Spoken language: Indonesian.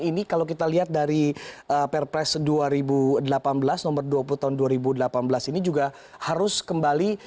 ini kalau kita lihat dari perpres dua ribu delapan belas nomor dua puluh tahun dua ribu delapan belas ini juga harus kembali